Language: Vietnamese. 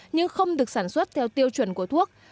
nhưng không được sản xuất theo tiêu chuẩn của thuốc